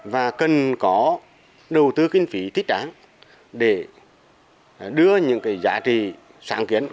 và cần có đầu tư kinh phí thích tráng để đưa những giá trị sáng kiến